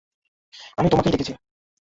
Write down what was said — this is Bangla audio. আমিই তোমাকে ডেকেছি।